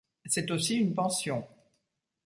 C'est aussi une pension.